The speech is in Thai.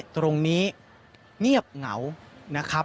ตรงนี้เงียบเหงา